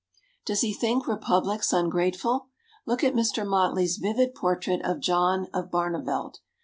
Does he think republics ungrateful? Look at Mr. Motley's vivid portrait of John of Barneveld.